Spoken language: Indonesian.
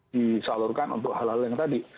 di salurkan untuk hal hal yang tadi